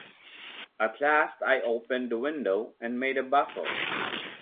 At last I opened the window and made a bustle.